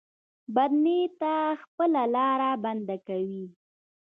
بد نیت خپله لار بنده کوي.